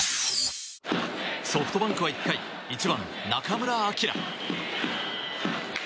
ソフトバンクは１回１番、中村晃。